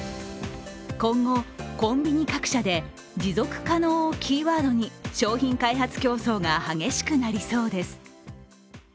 今後、コンビニ各社で持続可能をキーワードに商品開発競争が激しくなりそうです。